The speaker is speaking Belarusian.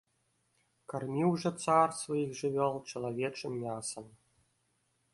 Карміў жа цар сваіх жывёл чалавечым мясам.